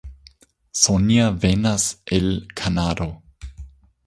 Sonja venas el Kanado.